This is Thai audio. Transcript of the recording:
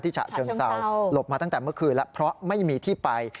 ฉะเชิงเศร้าหลบมาตั้งแต่เมื่อคืนแล้วเพราะไม่มีที่ไป